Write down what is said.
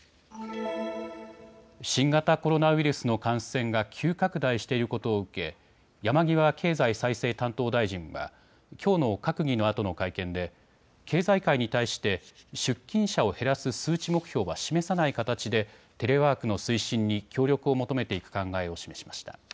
新型コロナウイルスの感染が急拡大していることを受け山際経済再生担当大臣はきょうの閣議のあとの会見で経済界に対して出勤者を減らす数値目標は示さない形でテレワークの推進に協力を求めていく考えを示しました。